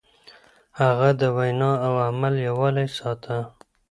هغه د وينا او عمل يووالی ساته.